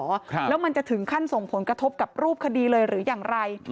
ครับแล้วมันจะถึงขั้นส่งผลกระทบกับรูปคดีเลยหรืออย่างไร